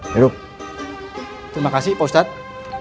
terima kasih pak ustadz